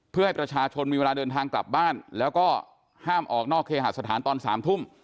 เพื่อให้ประชาชนมีเวลาเดินทางกลับบ้านแล้วก็ห้ามออกนอกเคหาสถานตอน๓ทุ่ม